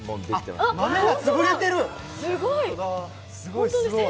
マメが潰れてる。